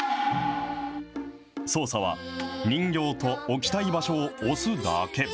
操作は人形と置きたい場所を押すだけ。